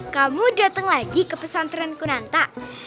kamu datang lagi ke pesantren kunanta